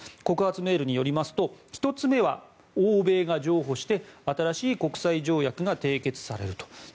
告発メールによりますと１つ目は欧米が譲歩して新しい国際条約が締結されると。